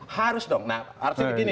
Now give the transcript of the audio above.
harus dong nah artinya begini